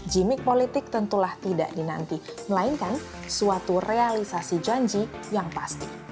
jimmick politik tentulah tidak dinanti melainkan suatu realisasi janji yang pasti